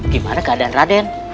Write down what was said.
gimana keadaan raden